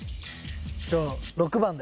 じゃあ６番で。